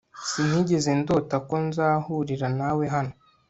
sinigeze ndota ko nzahurira nawe hano